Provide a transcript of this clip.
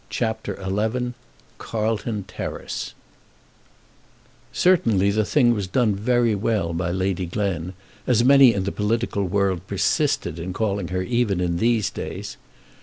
CHAPTER XI Carlton Terrace Certainly the thing was done very well by Lady Glen, as many in the political world persisted in calling her even in these days.